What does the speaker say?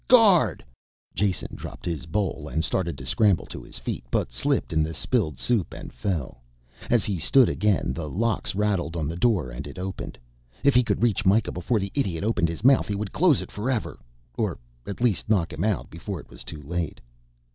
Guard!" Jason dropped his bowl and started to scramble to his feet, but slipped in the spilled soup and fell. As he stood again the locks rattled on the door and it opened. If he could reach Mikah before the idiot opened his mouth he would close it forever, or at least knock him out before it was too late.